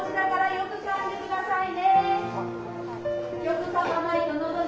よくかんで下さい。